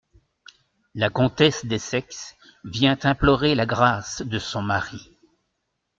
La Comtesse D'Essex vient implorer la grace de son mari.